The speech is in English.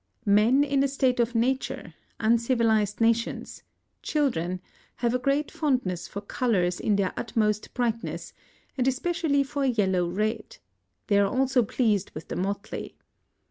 Men in a state of nature, uncivilised nations, children, have a great fondness for colours in their utmost brightness, and especially for yellow red: they are also pleased with the motley.